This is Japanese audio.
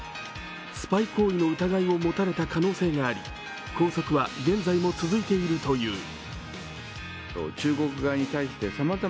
スパイ行為の疑いを持たれた可能性があり、拘束は現在も続いているという。